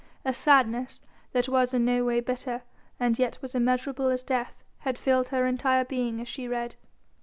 A sadness that was in no way bitter and yet was immeasurable as death had filled her entire being as she read.